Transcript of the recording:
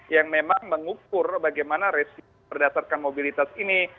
yang memang mengukur bagaimana resiko berdasarkan mobilitas ini